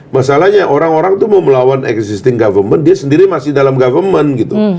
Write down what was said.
masalahnya orang orang itu mau melawan existing government dia sendiri masih dalam government gitu